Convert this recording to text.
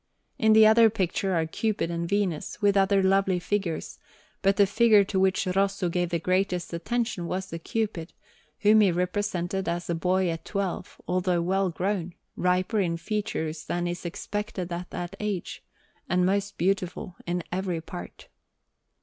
In the other picture are Cupid and Venus, with other lovely figures; but the figure to which Rosso gave the greatest attention was the Cupid, whom he represented as a boy of twelve, although well grown, riper in features than is expected at that age, and most beautiful in every part.